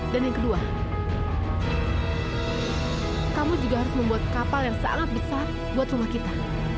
dan yang kedua kamu juga harus membuat kapal yang sangat besar buat rumah kita